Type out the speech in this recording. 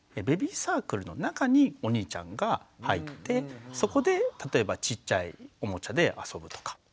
ベビーサークルの中にお兄ちゃんが入ってそこで例えばちっちゃいおもちゃで遊ぶとか。